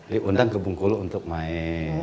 diundang ke bung kulu untuk main